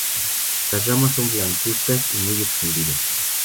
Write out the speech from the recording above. Las ramas son blancuzcas y muy extendidas.